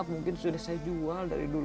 mungkin sudah saya jual dari dulu